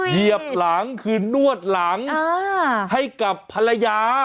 เหยียบหลังคือนวดหลังให้กับภรรยา